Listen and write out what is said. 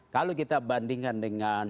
kalau kita bandingkan dengan